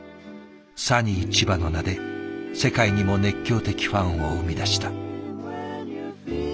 サニー千葉の名で世界にも熱狂的ファンを生み出した。